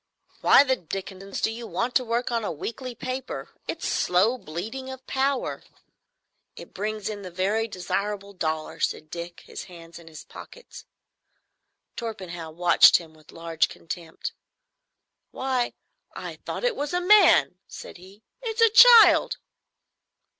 "Why the Dickenson do you want to work on a weekly paper? It's slow bleeding of power." "It brings in the very desirable dollars," said Dick, his hands in his pockets. Torpenhow watched him with large contempt. "Why, I thought it was a man!" said he. "It's a child."